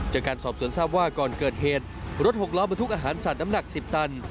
จากการสอบสวนทราบว่าก่อนเกิดเหตุรถหกล้อบรรทุกอาหารสัตว์น้ำหนัก๑๐ตัน